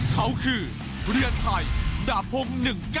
เขาคือเรือนไทยดาบพงศ์๑๙